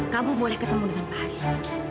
kamu boleh ketemu dengan pak haris